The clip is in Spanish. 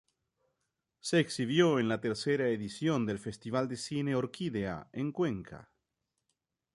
Se exhibió en la tercera edición del Festival de Cine Orquídea, en Cuenca.